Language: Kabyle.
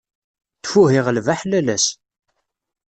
Ttfuh iɣleb aḥlalas.